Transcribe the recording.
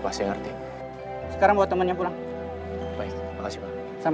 pasti ngerti sekarang buat temennya pulang baik makasih sama sama